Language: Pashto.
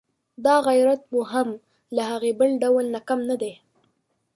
دا غیرت مو هم له هغه بل ډول نه کم نه دی.